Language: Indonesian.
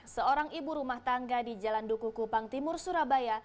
seorang ibu rumah tangga di jalan duku kupang timur surabaya